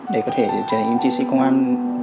để có thể trở thành chiến sĩ công an